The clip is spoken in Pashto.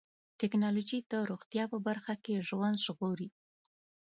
ټکنالوجي د روغتیا په برخه کې ژوند ژغوري.